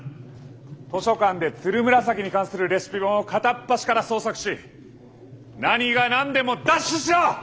図書館でつるむらさきに関するレシピ本を片っ端から捜索し何が何でも奪取しろ！